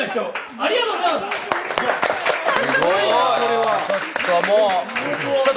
ありがとうございます。